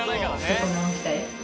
どこ直したい？